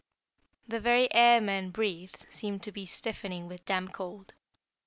The very air men breathed seemed to be stiffening with damp cold.